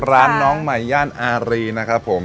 น้องใหม่ย่านอารีนะครับผม